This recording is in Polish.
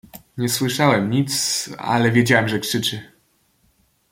"Nie słyszałem nic, ale wiedziałem, że krzyczy."